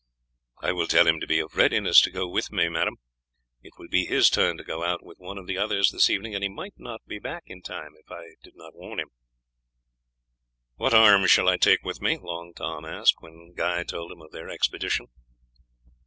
"I will tell him to be in readiness to go with me. It will be his turn to go out with one of the others this evening, and he might not be back in time if I did not warn him." "What arms shall I take with me?" Long Tom said, when Guy told him of their expedition.